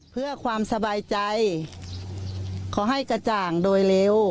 เพื่อความสบายใจขอให้กระจ่างโดยเร็ว